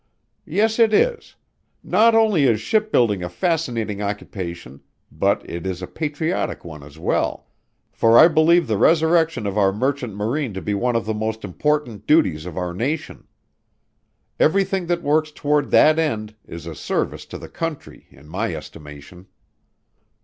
"Yes, it is. Not only is shipbuilding a fascinating occupation but it is a patriotic one as well, for I believe the resurrection of our merchant marine to be one of the most important duties of our nation. Everything that works toward that end is a service to the country, in my estimation."